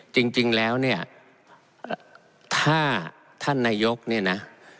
จริงแล้วเนี่ยถ้าท่านนายกเนี่ยนะ